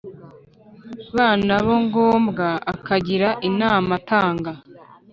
, byanaba ngombwa akagira inama atanga